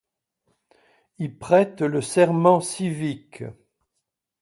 Il prête le serment civique.